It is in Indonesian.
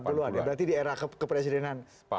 berarti di era kepresidenan